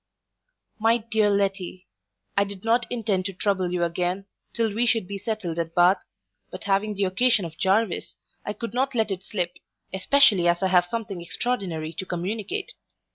MY DEAR LETTY, I did not intend to trouble you again, till we should be settled at Bath; but having the occasion of Jarvis, I could not let it slip, especially as I have something extraordinary to communicate.